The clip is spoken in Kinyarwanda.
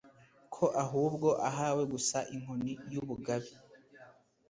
ko ahubwo ahawe gusa inkoni y’ubugabe